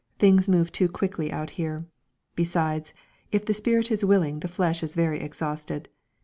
Things move too quickly out here besides, if the spirit is willing the flesh is very exhausted.